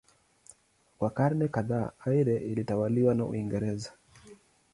Kwa karne kadhaa Eire ilitawaliwa na Uingereza.